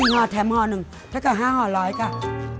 ๔ห่อแถมห่อนึงถ้าเกิด๕ห่อ๑๐๐ก่อน